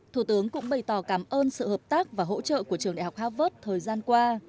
thủ tướng cũng bày tỏ cảm ơn sự hợp tác và hỗ trợ của trường đại học harvard thời gian qua